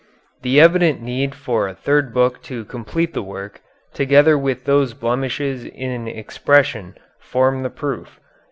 The evident need for a third book to complete the work, together with those blemishes in expression, form the proof."